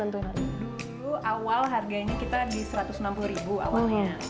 dulu awal harganya kita di rp satu ratus enam puluh awalnya